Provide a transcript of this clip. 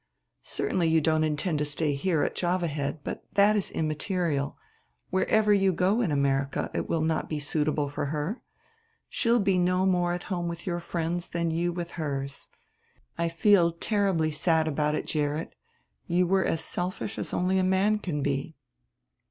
Certainly you don't intend to stay here, at Java Head; but that is immaterial. Wherever you go in America it will not be suitable for her. She'll be no more at home with your friends than you with hers. I feel terribly sad about it, Gerrit; you were as selfish as only a man can be."